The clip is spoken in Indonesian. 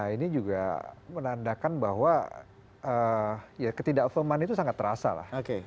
ini juga menandakan bahwa ketidak firman itu sangat terasa lah